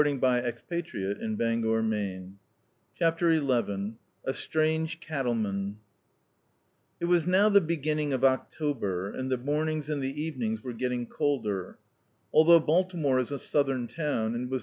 db, Google CHAPTER XI A STRANGE CATTLEMAN IT was now the beginning of October, and the mornings and the evenings were getting colder. Althou^ Baltimore is a southern town, and was.